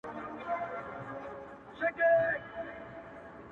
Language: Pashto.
o ستا د غرور حسن ځوانۍ په خـــاطــــــــر.